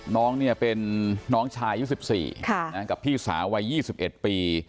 น้องเป็นน้องชาย๒๔กับพี่สาวัย๒๑ปี